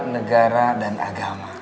negara dan agama